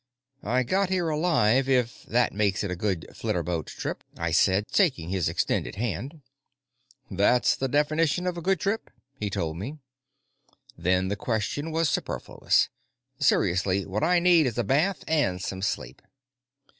"I got here alive, if that makes it a good flitterboat trip," I said, shaking his extended hand. "That's the definition of a good trip," he told me. "Then the question was superfluous. Seriously, what I need is a bath and some sleep."